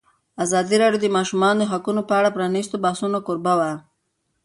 ازادي راډیو د د ماشومانو حقونه په اړه د پرانیستو بحثونو کوربه وه.